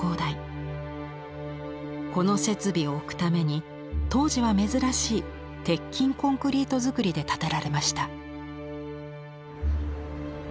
この設備を置くために当時は珍しい鉄筋コンクリート造りで建てられました。